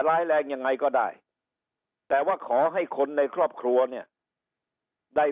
ร้ายแรงยังไงก็ได้แต่ว่าขอให้คนในครอบครัวเนี่ยได้